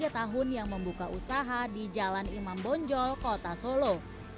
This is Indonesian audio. tiga tahun yang membuka usaha di jalan imam bonjol kota solo